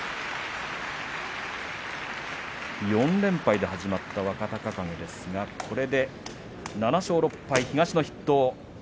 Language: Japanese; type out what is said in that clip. ４連敗で始まった若隆景ですがこれで７勝６敗、東の筆頭。